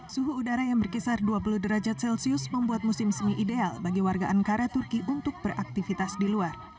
suhu udara yang berkisar dua puluh derajat celcius membuat musim semi ideal bagi warga ankara turki untuk beraktivitas di luar